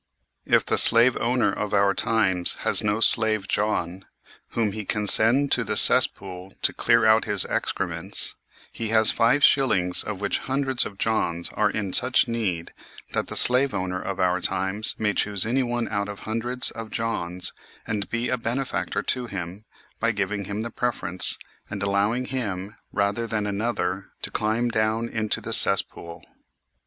If the slave owner of our times has no slave John, whom he can send to the cesspool to clear out his excrements, he has five shillings of which hundreds of Johns are in such need that the slave owner of our times may choose anyone out of hundreds of Johns and be a benefactor to him by giving him the preference, and allowing him, rather than another, to climb down into the cess pool.